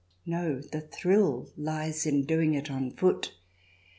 No, the thrill lies in doing it on foot.